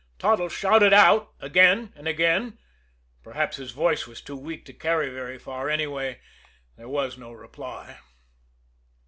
Toddles shouted out again and again. Perhaps his voice was too weak to carry very far; anyway, there was no reply.